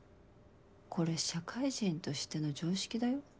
これ社会人としての常識だよ。